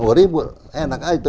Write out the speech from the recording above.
wah ribut enak aja itu